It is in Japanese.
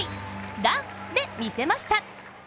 「ラン」で見せました。